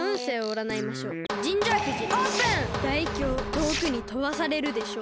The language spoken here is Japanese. とおくにとばされるでしょう。